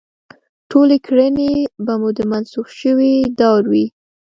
ټولې کړنې به مو د منسوخ شوي دور وي.